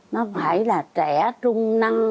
nó phải là trẻ trung năng